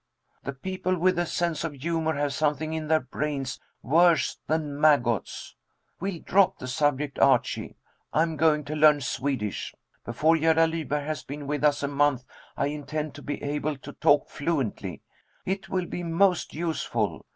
The people with a sense of humor have something in their brains worse than maggots. We'll drop the subject, Archie. I'm going to learn Swedish. Before Gerda Lyberg has been with us a month I intend to be able to talk fluently. It will be most useful.